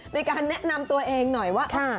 ในการแนะนำตัวเองหน่อยว่า